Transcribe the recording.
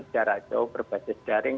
jarak jauh berbasis daring